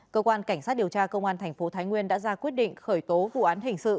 cơ quan cảnh sát điều tra công an thành phố thái nguyên đã ra quyết định khởi tố vụ án hình sự